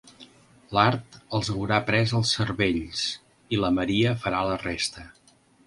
L'art els haurà pres els cervells i la maria farà la resta.